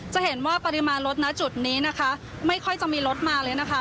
จะเห็นว่าปริมาณรถณจุดนี้นะคะไม่ค่อยจะมีรถมาเลยนะคะ